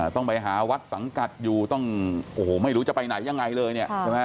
ต้องไปหาวัดสังกัดอยู่ไม่รู้จะไปไหนยังไงเลยเนี่ย